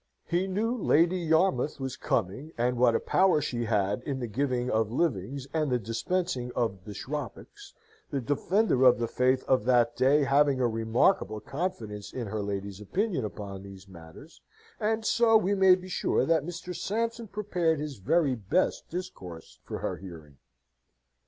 He knew Lady Yarmouth was coming, and what a power she had in the giving of livings and the dispensing of bishoprics, the Defender of the Faith of that day having a remarkable confidence in her ladyship's opinion upon these matters; and so we may be sure that Mr. Sampson prepared his very best discourse for her hearing.